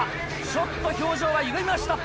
ちょっと表情がゆがみました。